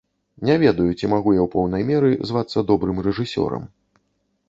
Не ведаю, ці магу я ў поўнай меры звацца добрым рэжысёрам.